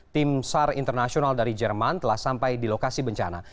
tim sar internasional dari jerman telah sampai di lokasi bencana